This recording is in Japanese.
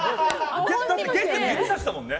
だって、指さしたもんね。